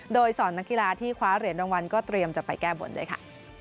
โดยสอนนักกีฬาที่คว้าเหรียญรางวัลก็เตรียมจะไปแก้บนด้วยค่ะ